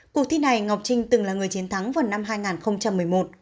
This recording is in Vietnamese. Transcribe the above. cuộc thi này ngọc trinh từng là người chiến thắng vào năm hai nghìn một mươi một